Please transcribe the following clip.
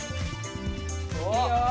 いいよ！